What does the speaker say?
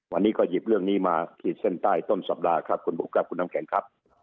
วันนี้ก็หยิบเรื่องนี้มาขีดเส้นใต้ต้นสัปดาห์ครับคุณบุ๊คครับคุณน้ำแข็งครับ